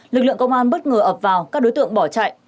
lực lượng công an bất ngờ ập vào các đối tượng bỏ chạy